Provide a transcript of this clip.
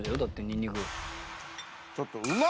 ニンニク。